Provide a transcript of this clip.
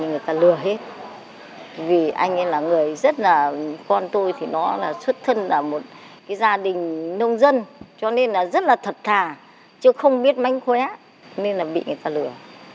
vì người ta lừa hết vì anh ấy là người rất là con tôi thì nó là xuất thân là một gia đình nông dân cho nên là rất là thật thà chứ không biết mánh khóe nên là bị người ta lừa